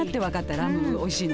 ラムおいしいの。